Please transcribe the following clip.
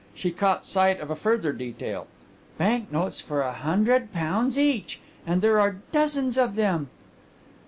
She caught sight of a further detail. "Bank notes for a hundred pounds each. And there are dozens of them!"